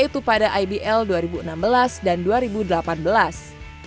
ia juga menangkan kemampuan pemiliknya yaitu pada ibl dua ribu enam belas dan dua ribu delapan belas